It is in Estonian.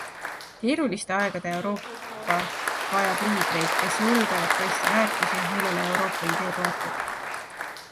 Keeruliste aegade Euroopa vajab liidreid, kes julgevad kaitsta väärtusi, millele Euroopa-idee toetub.